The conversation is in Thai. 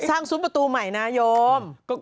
สร้างสุมประตูใหม่นายม